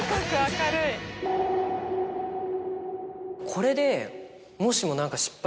これで。